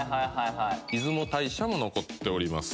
はい出雲大社も残っております